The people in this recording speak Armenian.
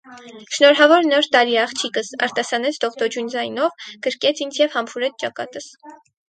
- Շնորհավոր Նոր տարի, աղջիկս,- արտասանեց դողդոջուն ձայնով, գրկեց ինձ և համբուրեց ճակատս: